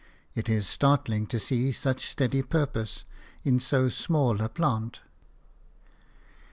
It is startling to see such steady purpose in so small a plant.